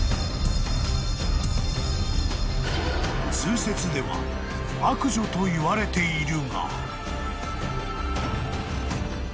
［通説では悪女といわれているが］